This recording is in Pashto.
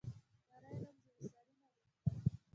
نری رنځ یوه ساري ناروغي ده.